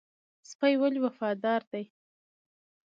سپی ولې وفادار دی؟